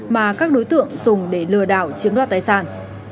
mà các đối tượng dùng để lừa đảo chiếm đoạt tài sản